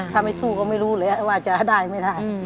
ถ้าไม่สู้ก็ไม่รู้เลยว่าจะได้ไม่ได้